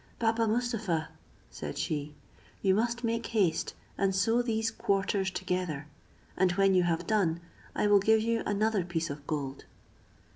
"Baba Mustapha," said she, "you must make haste and sew these quarters together; and when you have done, I will give you another piece of gold."